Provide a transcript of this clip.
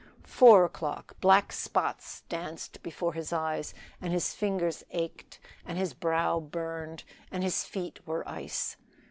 Four o'clock; black spots danced before his eyes, and his fingers ached, and his brow burned, and his feet were ice.